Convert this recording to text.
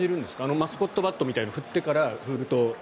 マスコットバットみたいな振ってから振ると。